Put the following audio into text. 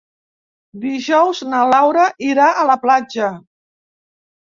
Dijous na Laura irà a la platja.